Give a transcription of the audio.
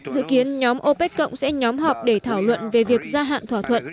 dự kiến nhóm opec cộng sẽ nhóm họp để thảo luận về việc gia hạn thỏa thuận